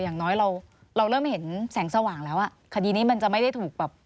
อย่างน้อยเราเราเริ่มเห็นแสงสว่างแล้วอ่ะคดีนี้มันจะไม่ได้ถูกแบบ